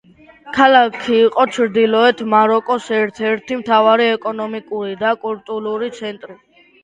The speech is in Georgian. ქალაქი იყო ჩრდილოეთ მაროკოს ერთ-ერთი მთავარი ეკონომიკური და კულტურული ცენტრი.